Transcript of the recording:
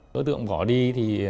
đối tượng bỏ đi thì